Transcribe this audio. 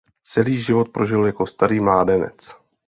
Celý život prožil jako starý mládenec.